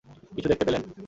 কিছু দেখতে পেলেন?